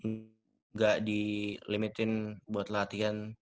nggak dilimitin buat latihan